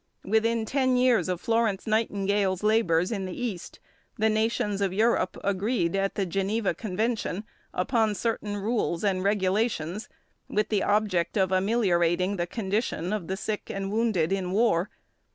Within ten years of Florence Nightingale's labours in the East, the nations of Europe agreed at the Geneva Convention upon certain rules and regulations, with the object of ameliorating the condition of the sick and wounded in war.